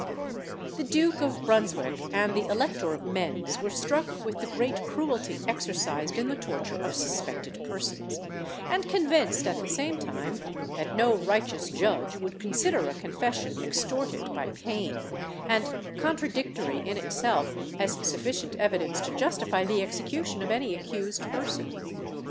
The Duke of Brunswick and the Elector of Menz were struck with the great cruelty exercised in the torture of suspected persons, and convinced, at the same time, that no righteous judge would consider a confession extorted by pain, and contradictory in itself, as sufficient evidence to justify the execution of any accused person.